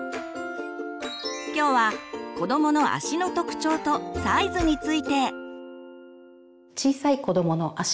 今日は子どもの足の特徴とサイズについて。